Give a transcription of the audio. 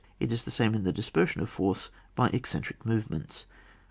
It is the same in the dispersion of force by eccentric movements.